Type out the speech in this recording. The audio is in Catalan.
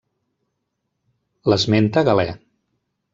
L'esmenta Galè.